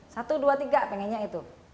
satu dua tiga pengennya itu